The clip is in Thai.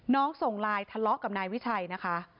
ส่งไลน์ทะเลาะกับนายวิชัยนะคะ